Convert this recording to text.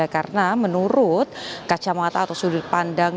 karena menurut kacamata atau sudut pandang